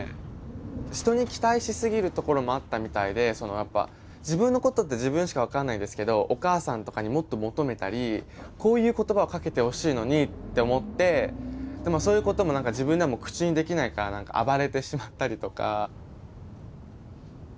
人に期待しすぎるところもあったみたいでやっぱ自分のことって自分しか分かんないですけどお母さんとかにもっと求めたりこういう言葉をかけてほしいのにって思ってでもそういうことも何か自分でも口にできないから暴れてしまったりとか。